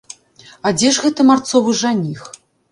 А дзе ж гэты марцовы жаніх?